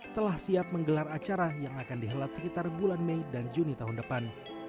telah siap menggelar acara yang akan dihelat sekitar bulan mei dan juni tahun depan